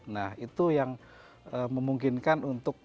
nah itu yang memungkinkan untuk